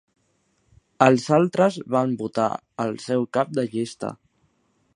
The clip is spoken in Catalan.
Els altres van votar al seu cap de llista.